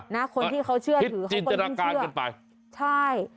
นะคนที่เขาเชื่อถือเขาก็ยิ่งเชื่อทิศจรรยากาศกันไปใช่